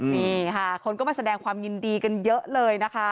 นี่ค่ะคนก็มาแสดงความยินดีกันเยอะเลยนะคะ